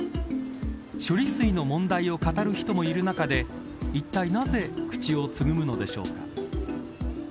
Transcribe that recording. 処理水の問題を語る人もいる中でいったいなぜ口をつぐむのでしょうか。